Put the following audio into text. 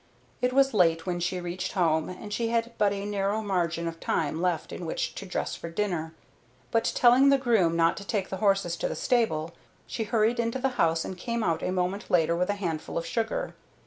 It was late when she reached home and she had but a narrow margin of time left in which to dress for dinner; but telling the groom not to take the horses to the stable she hurried into the house and came out a moment later with a handful of sugar.